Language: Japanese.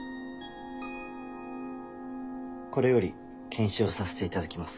これより検視をさせていただきます。